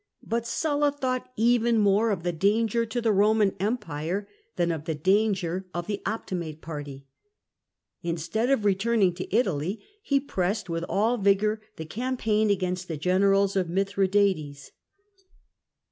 But Sulla thought even more of the danger to the Eoman empire than of the danger of the Optimate party. Instead of returning to Italy, he pressed with all vigour the campaign against the generals of Mithradates.